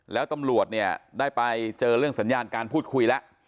แล้วตำรวจเนี่ยได้ไปเจอเรื่องสัญญาการพูดคุยแล้ว